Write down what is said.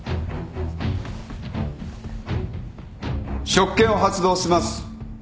職権を発動します。